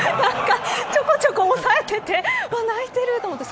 ちょこちょこ押さえてて泣いてると思って。